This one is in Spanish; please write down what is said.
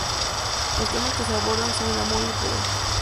Los temas que se abordan son el amor y el poder.